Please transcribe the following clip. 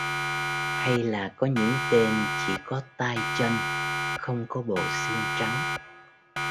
Hay là có những tên chỉ có tay chân không có bộ xương trắng